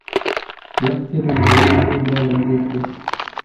لښتې د نغري ایرې بیا لندې کړې.